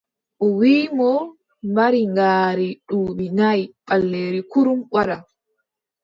O wiʼi mo mari ngaari duuɓi nayi ɓaleeri kurum wadda.